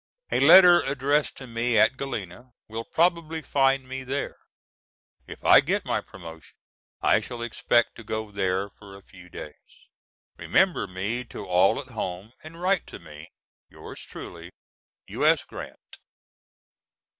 A letter addressed to me at Galena will probably find me there. If I get my promotion I shall expect to go there for a few days. Remember me to all at home and write to me. Yours truly, U.S. GRANT.